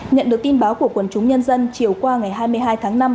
nhận được tin báo của quần chúng nhân dân chiều qua ngày hai mươi hai tháng năm